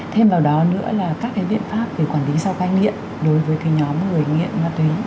thêm vào đó nữa là các cái viện pháp để quản lý sau cai nghiện đối với cái nhóm người nghiện ma túy